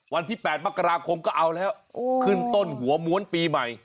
วันที่๘มกราคมก็เอาแล้วขึ้นต้นหัวม้วนปีใหม่